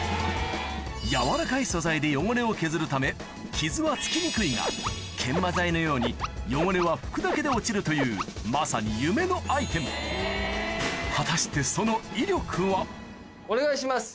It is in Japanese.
柔らかい素材で汚れを削るため傷はつきにくいが研磨剤のように汚れは拭くだけで落ちるというまさに夢のアイテム果たしてお願いします。